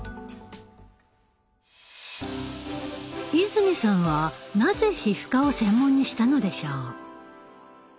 泉さんはなぜ皮膚科を専門にしたのでしょう？